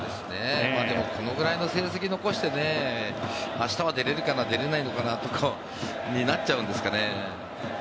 でもこのくらいの成績を残して明日は出れるかな出れないのかなになっちゃうんですかね。